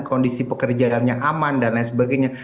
kondisi pekerjaannya aman dan lain sebagainya